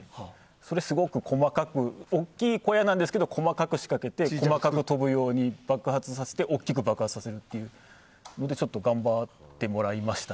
それは大きい小屋なんですけど細かく仕掛けて細かく飛ぶように爆発させて大きく爆発させるというので頑張ってもらいました。